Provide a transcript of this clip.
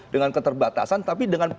dengan keterbatasan tapi dengan